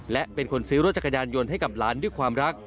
และเป็นคนซื้อรถจักรยานยนต์ให้กับหลานด้วยความรัก